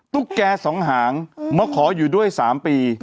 ตุ๊กแก่๒หางมาขออยู่ด้วย๓ปี